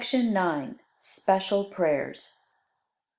Amen. Special Prayers.